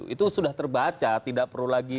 itu sudah terbaca tidak perlu lagi